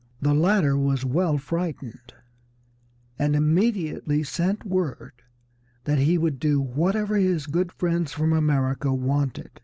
The latter was well frightened, and immediately sent word that he would do whatever his good friends from America wanted.